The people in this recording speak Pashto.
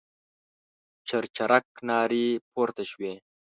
چرچرک نارې پورته شوې.